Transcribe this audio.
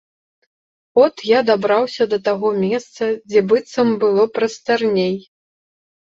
От я дабраўся да такога месца, дзе быццам было прастарней.